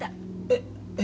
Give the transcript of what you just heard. えっ？